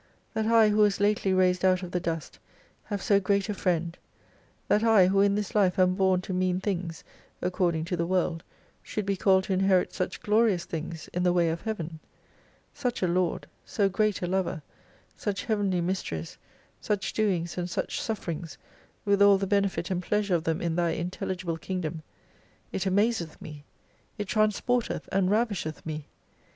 That I who was lately raised out of the dust, have so great a Friend, that I who in this life am bom to mean things according to the world should be called to inherit such glorious things in the way of heaven : Such a Lord, so great a Lover, such heavenly mysteries, such doings and such sufferings, with all the benefit and pleasure of them in Thy intelligible king dom : it amazeth me, it transporteth and ravisheth me.